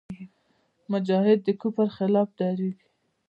مجاهد د کفر خلاف درېږي.